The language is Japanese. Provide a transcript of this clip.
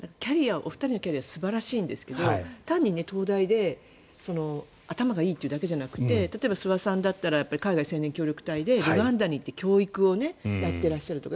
お二人のキャリア素晴らしいんですけど単に東大で頭がいいというだけじゃなくて例えば諏訪さんだったら海外青年海外協力隊でルワンダに行って教育をやっていらっしゃるとか。